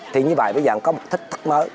thì như vậy bây giờ có một thách thức mới